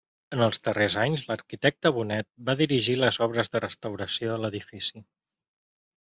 En els darrers anys l'arquitecte Bonet va dirigir les obres de restauració de l'edifici.